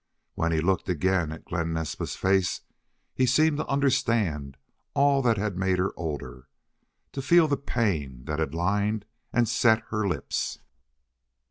When he looked again at Glen Naspa's face he seemed to understand all that had made her older, to feel the pain that had lined and set her lips.